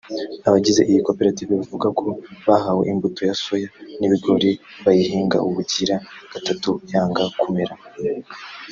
Abagize iyi koperative bavuga ko bahawe imbuto ya soya n’ibigori bayihinga ubugira gatatu yanga kumera